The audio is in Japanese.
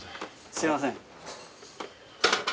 すいません？